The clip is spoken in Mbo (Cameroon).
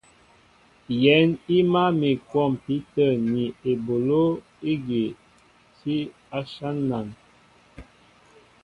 Yɛ̌n i mǎl mi a kwɔmpi tə̂ ni eboló ejí tí áshán nān.